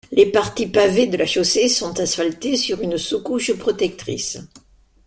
Les parties pavées de la chaussée sont asphaltées sur une sous-couche protectrice.